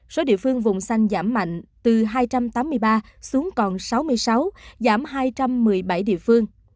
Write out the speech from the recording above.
số địa phương vùng xanh giảm mạnh từ hai trăm tám mươi ba xuống còn sáu mươi sáu giảm hai trăm một mươi bảy địa phương